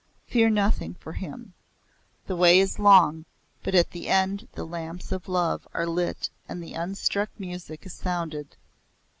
Fear nothing for him. The way is long but at the end the lamps of love are lit and the Unstruck music is sounded.